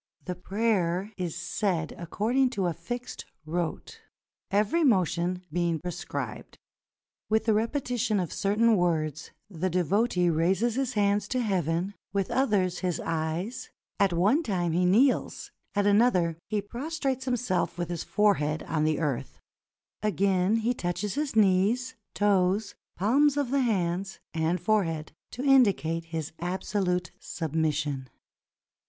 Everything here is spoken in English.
The prayer is said according to a fixed rote, every motion being prescribed. With the repetition of certain words the devotee raises his hands to heaven, with others his eyes; at one time he kneels, at another prostrates himself with his forehead on the earth; again he touches his knees, toes, palms of the hands, and forehead, to indicate his absolute submis sion.